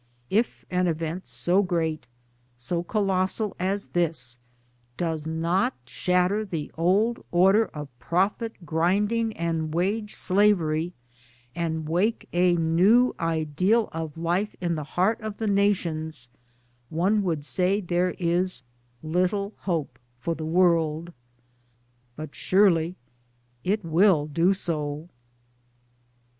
If an event so great, so colossal, as this does not shatter the old order of profit grinding and wage slavery and wake a new ideal of life in the heart of the nations, one would say there is little hope for the world. But surely it will do so.